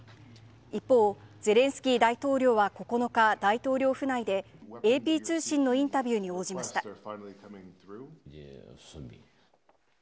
一方、ゼレンスキー大統領は９日、大統領府内で、ＡＰ通信のインタビューに応じました。